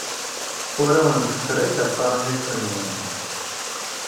Ur awen-ssefrakeɣ taṛmist-nwen.